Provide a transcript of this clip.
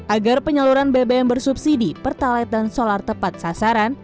agar penyaluran bbm bersubsidi pertalat dan solar tepat sasaran